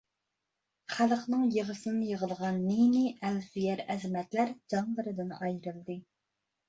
خەلقنىڭ يىغىسىنى يىغلىغان نى-نى ئەل سۆيەر ئەزىمەتلەر جانلىرىدىن ئايرىلدى.